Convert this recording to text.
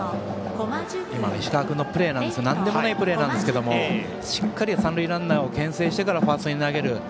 石川君の今のプレーなんでもないプレーですがしっかり三塁ランナーをけん制してからファーストに投げる。